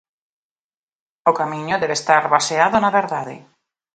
O camiño debe estar baseado na verdade.